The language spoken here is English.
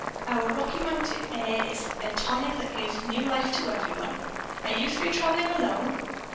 Our Rocky Mountain air is a tonic that gives new life to everyone. Are you three traveling alone?"